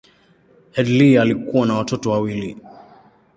Headlee alikuwa na watoto wawili.